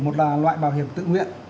một là loại bảo hiểm tự nguyện